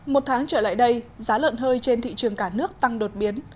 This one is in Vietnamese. một tháng trở lại đây giá lợn hơi trên thị trường cả nước tăng đột biến